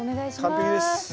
完璧です。